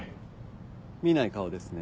見ない顔ですね。